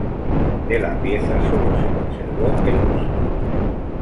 De la pieza sólo se conservó el busto.